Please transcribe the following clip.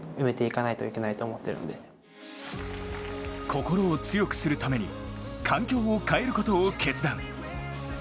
心を強くするために環境を変えることを決断。